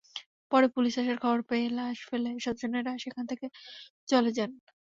পরে পুলিশ আসার খবর পেয়ে লাশ ফেলে স্বজনেরা সেখান থেকে চলে যান।